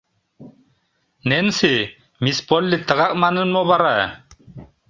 — Ненси, мисс Полли тыгак манын мо вара?